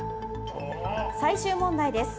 最終問題です。